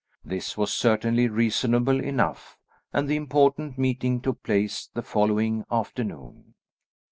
This was certainly reasonable enough, and the important meeting took place the following afternoon.